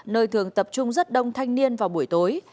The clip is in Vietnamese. nơi thường tập trung rất đông thanh niên vào buổi tối